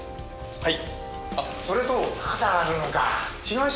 はい。